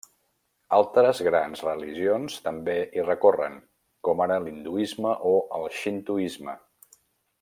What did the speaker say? Altres grans religions també hi recorren, com ara l'hinduisme o el xintoisme.